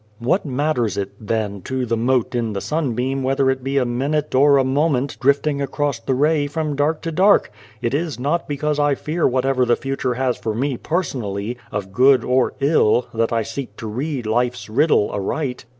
What matters it, then, to the mote in the sunbeam whether it be a minute or a moment drifting across the ray from dark to dark ? It is not because I fear whatever the future has for me, personally, of good or ill that I seek to read Life's Riddle aright.